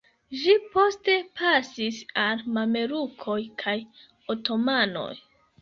Ĝi poste pasis al mamelukoj kaj otomanoj.